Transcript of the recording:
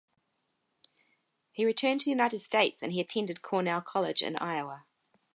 He returned to the United States and he attended Cornell College in Iowa.